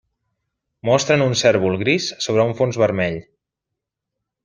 Mostren un cérvol gris sobre un fons vermell.